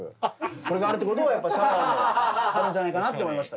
これがあるってことはシャワーもあるんじゃないかなって思いました。